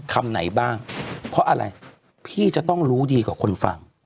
คำไหนบ้างเพราะอะไรพี่จะต้องรู้ดีกว่าคนฟัง